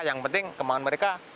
yang penting kemauan mereka